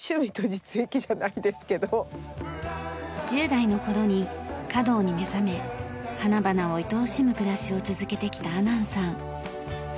１０代の頃に華道に目覚め花々をいとおしむ暮らしを続けてきた阿南さん。